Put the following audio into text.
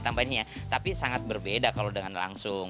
tambahin ini ya tapi sangat berbeda kalau dengan langsung